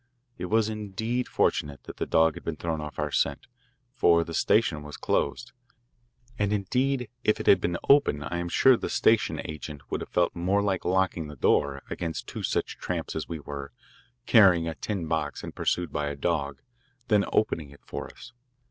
It was indeed fortunate that the dog had been thrown off our scent, for the station was closed, and, indeed, if it had been open I am sure the station agent would have felt more like locking the door against two such tramps as we were, carrying a tin box and pursued by a dog, than opening it for us.